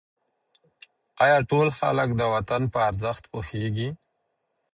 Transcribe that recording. آیا ټول خلک د وطن په ارزښت پوهېږي؟